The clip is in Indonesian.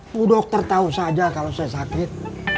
bu dokter tahu saja kalau saya sakit